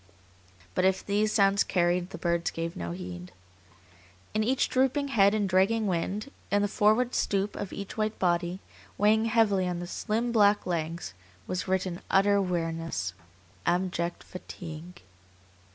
But if these sounds carried, the birds gave no heed. In each drooping head and dragging wing, in the forward stoop of each white body, weighing heavily on the slim, black legs, was written utter weariness, abject fatigue.